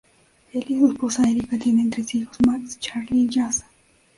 Él y su esposa Erica tienen tres hijos, Max, Charlie y Jazz.